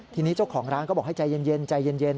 ทีนี้เจ้าของร้านก็บอกให้ใจเย็นใจเย็น